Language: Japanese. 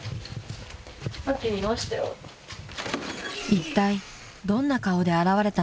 ［いったいどんな顔で現れたのか］